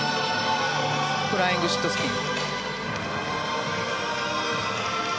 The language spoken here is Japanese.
フライングシットスピン。